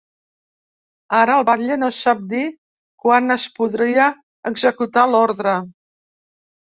Ara, el batlle no sap dir quan es podria executar l’ordre.